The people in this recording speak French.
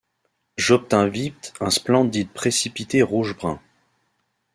J'obtins vite un splendide précipité rouge-brun.